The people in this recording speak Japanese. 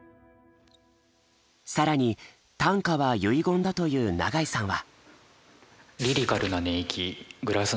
更に短歌は遺言だという永井さんは。